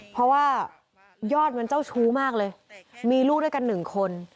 เพราะว่ายอดมันเจ้าชู้มากเลยมีลูกด้วยกันหนึ่งคน